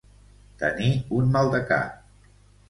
Tenir un maldecap.